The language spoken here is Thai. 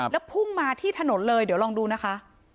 แล้วพุ่งมาที่ถนนเลยเดี๋ยวลองดูนะคะ